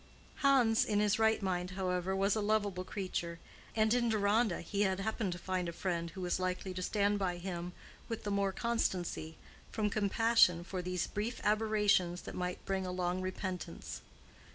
Hans in his right mind, however, was a lovable creature, and in Deronda he had happened to find a friend who was likely to stand by him with the more constancy, from compassion for these brief aberrations that might bring a long repentance.